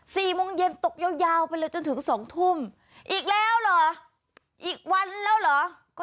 สี่โมงเย็นตกยาวยาวไปเลยจนถึงสองทุ่มอีกแล้วเหรออีกวันแล้วเหรอก็